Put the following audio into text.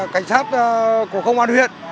cảnh sát của công an huyện